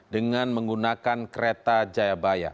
dengan menggunakan kereta jayabaya